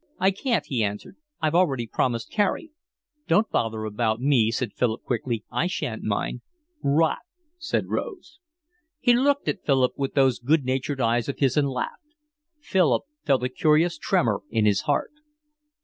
"I can't," he answered. "I've already promised Carey." "Don't bother about me," said Philip quickly. "I shan't mind." "Rot," said Rose. He looked at Philip with those good natured eyes of his and laughed. Philip felt a curious tremor in his heart.